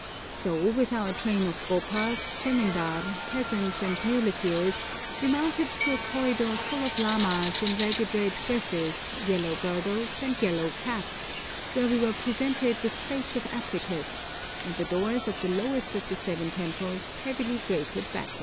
So with our train of gopas, zemindar, peasants, and muleteers, we mounted to a corridor full of lamas in ragged red dresses, yellow girdles, and yellow caps, where we were presented with plates of apricots, and the door of the lowest of the seven temples heavily grated backwards.